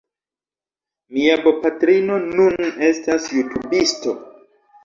Mia bopatrino nun estas jutubisto